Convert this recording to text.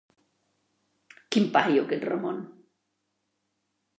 Quin paio, aquest Ramon.